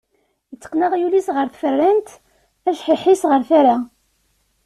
Iteqqen aɣyul-is ɣer tfeṛṛant, ajḥiḥ-is ɣer tara.